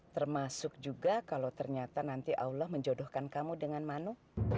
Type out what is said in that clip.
termasuk juga kalau ternyata nanti allah menjodohkan kamu dengan manu